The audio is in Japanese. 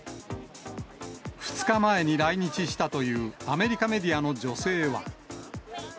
２日前に来日したというアメリカメディアの女性は。